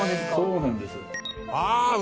そうなんです。